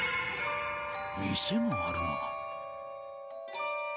店があるな。